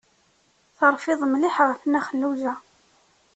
Terfiḍ mliḥ ɣef Nna Xelluǧa.